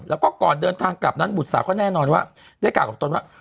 แล้วก็ก่อนเดินทางกลับนั้นบุตรสาวก็แน่นอนว่าได้กล่าวกับตนว่า